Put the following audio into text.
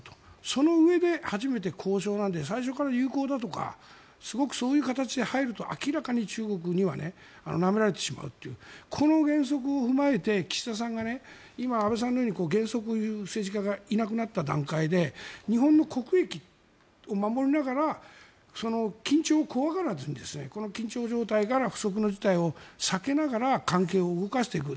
そのうえで初めて交渉なんで最初から友好だとかすごくそういう形で入ると明らかに中国にはなめられてしまうというこの原則を踏まえて岸田さんが今、安倍さんのように原則を言う政治家がいなくなった段階で日本の国益を守りながら緊張を怖がらずにこの緊張状態から不測の事態を避けながら関係を動かしていく。